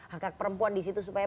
hak hak perempuan disitu supaya